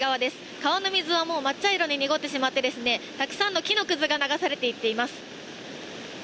川の水は真っ茶色に濁ってしまってたくさんの木のくずが流されていっています。